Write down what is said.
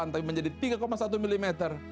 tapi menjadi tiga satu mm